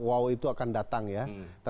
wow itu akan datang ya